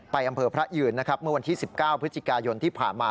อำเภอพระยืนนะครับเมื่อวันที่๑๙พฤศจิกายนที่ผ่านมา